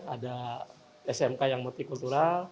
ada smk yang multi kultural